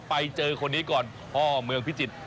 ไปเจอคนนี้ก่อนพ่อเมืองพิจิตร